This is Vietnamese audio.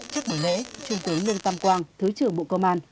trước buổi lễ trung tướng nương tâm quang thứ trưởng bộ công an